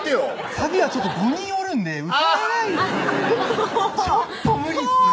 サビは５人おるんで歌えないですねちょっと無理っすね